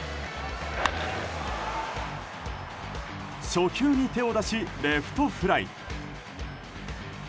初球に手を出し、レフトフライ。